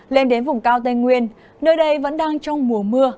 lên đến vùng cao tây nguyên nơi đây vẫn đang trong mùa mưa